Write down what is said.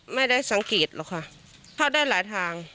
ไม่ได้สังเกตหรอกค่ะพลาดได้หลายทาง